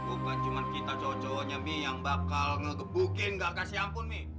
bukan cuma kita cowok cowoknya mie yang bakal ngegebukin gak kasih ampun mi